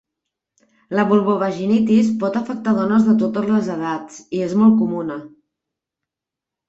La vulvovaginitis pot afectar dones de totes les edats i és molt comuna.